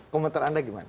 komentar anda gimana